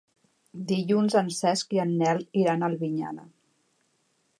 Dilluns en Cesc i en Nel iran a Albinyana.